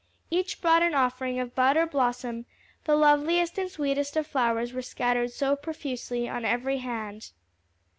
Each brought an offering of bud or blossom, the loveliest and sweetest of flowers were scattered so profusely on every hand.